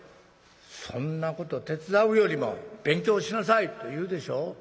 そんなこと手伝うよりも勉強しなさいと言うでしょ。